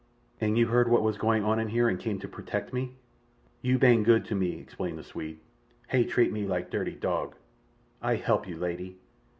"And you heard what was going on in here and came to protect me?" "You bane good to me," explained the Swede. "Hay treat me like darty dog. Ay help you, lady.